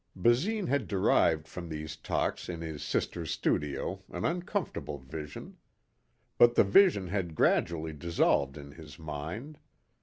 Basine had derived from these talks in his sister's studio an uncomfortable vision. But the vision had gradually dissolved in his mind.